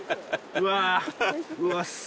うわ